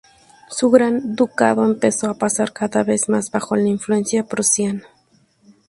Su gran ducado empezó a pasar cada vez más bajo la influencia prusiana.